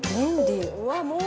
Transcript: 「うわっもう？